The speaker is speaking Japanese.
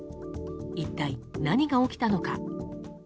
一体、何が起きたのか。